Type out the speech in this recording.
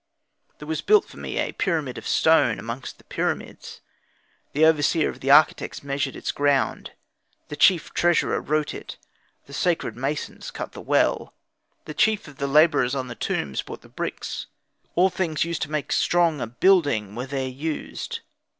There was built for me a pyramid of stone amongst the pyramids. The overseer of the architects measured its ground; the chief treasurer wrote it; the sacred masons cut the well; the chief of the labourers on the tombs brought the bricks; all things used to make strong a building were there used.